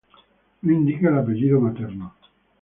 No indica el apellido materno.